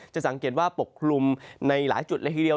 จะสังเกตว่าปกคลุมในหลายจุดละครับ